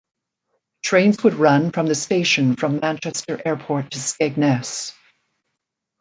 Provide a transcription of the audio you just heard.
Trains would run from the station from Manchester Airport to Skegness.